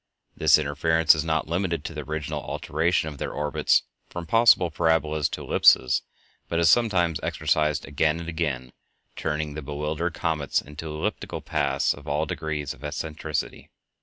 This interference is not limited to the original alteration of their orbits from possible parabolas to ellipses, but is sometimes exercised again and again, turning the bewildered comets into elliptical paths of all degrees of eccentricity.